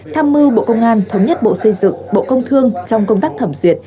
tham mưu bộ công an thống nhất bộ xây dựng bộ công thương trong công tác thẩm duyệt